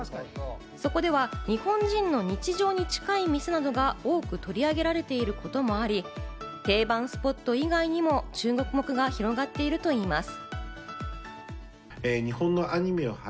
そこでは日本人の日常に近い店などが多く取り上げられていることもあり、定番スポット以外にも注目が広がっているといいます。